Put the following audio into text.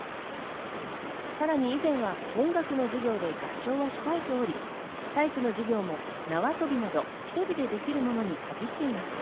さらに以前は音楽の授業で合唱を控えており、体育の授業も縄跳びなど１人でできるものに限っていました。